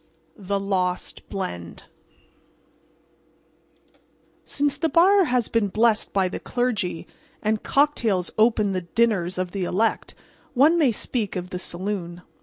THE LOST BLEND Since the bar has been blessed by the clergy, and cocktails open the dinners of the elect, one may speak of the saloon.